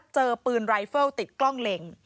เจอปืนรายเฟิลติดกล้องเล็ง